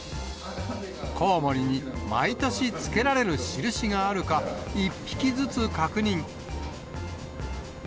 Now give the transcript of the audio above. コウモリに毎年つけられる印があるか、１匹ずつ確認。